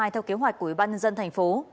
theo kế hoạch của ủy ban nhân dân thành phố